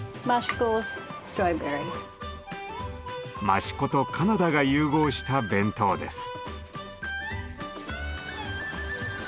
益子とカナダが融合した弁当です。